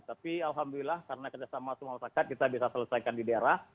tapi alhamdulillah karena kerjasama semua masyarakat kita bisa selesaikan di daerah